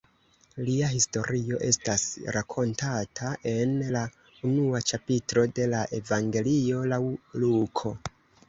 Lia historio estas rakontata en la unua ĉapitro de la Evangelio laŭ Luko.